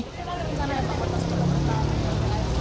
bagaimana rencana yang pak pak mas jokowi lakukan